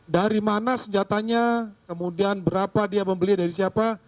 dari mana senjatanya kemudian berapa dia membeli dari siapa